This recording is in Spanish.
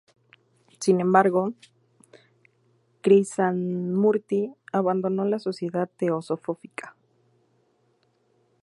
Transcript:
Sin embargo J. Krishnamurti abandonó la Sociedad Teosófica.